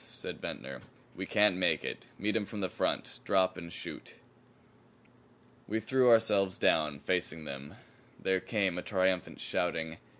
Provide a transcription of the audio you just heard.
said Ventnor. "We can't make it. Meet 'em from the front. Drop and shoot." We threw ourselves down, facing them. There came a triumphant shouting.